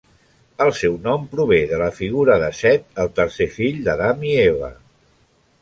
El seu nom prové de la figura de Set, el tercer fill d'Adam i Eva.